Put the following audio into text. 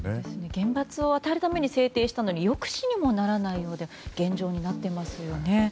厳罰を新たに制定したのに抑止にもならない現状になっていますよね。